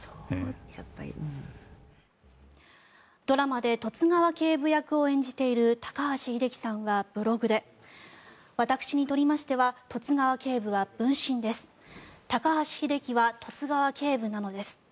ドラマで十津川警部役を演じている高橋英樹さんは、ブログで私にとりましては十津川警部は分身です